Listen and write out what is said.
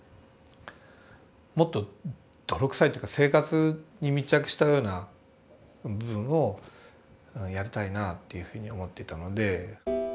もっと泥臭いというか生活に密着したような部分をやりたいなというふうに思っていたので。